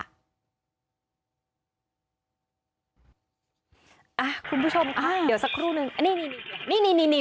อ่าคุณผู้ชมค่ะเดี๋ยวสักครู่นึงนี่นี่นี่นี่นี่นี่